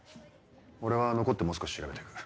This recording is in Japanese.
俺は残ってもう少し調べてく。